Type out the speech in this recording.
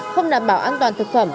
không đảm bảo an toàn thực phẩm